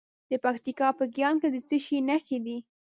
د پکتیکا په ګیان کې د څه شي نښې دي؟